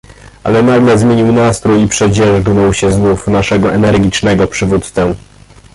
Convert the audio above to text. "Ale nagle zmienił nastrój i przedzierzgnął się znów w naszego energicznego przywódcę."